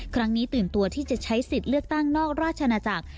ตื่นตัวที่จะใช้สิทธิ์เลือกตั้งนอกราชนาจักร